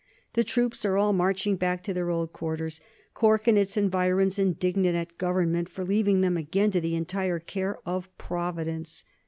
The troops are all marching back to their old quarters; Cork and its environs indignant at Government for leaving them again to the entire care of Providence.